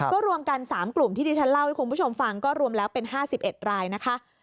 ก็รวมกัน๓กลุ่มที่ที่ฉันเล่าให้คุณผู้ชมฟังก็รวมแล้วเป็น๕๑รายนะคะ